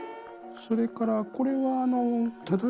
それからこれは。